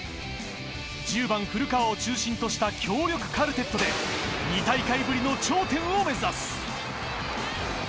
１０番・古川を中心とした強力カルテットで２大会ぶりの頂点を目指す。